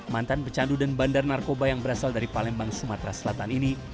mantan pecandu dan bandar narkoba yang berasal dari palembang sumatera selatan ini